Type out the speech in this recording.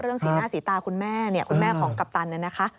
เรื่องสีหน้าสีตาคุณแม่คุณแม่ของกัปตันเนี่ยนะคะ